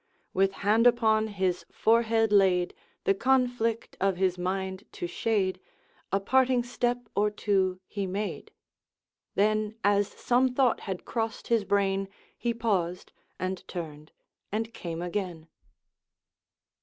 With hand upon his forehead laid, The conflict of his mind to shade, A parting step or two he made; Then, as some thought had crossed his brain He paused, and turned, and came again.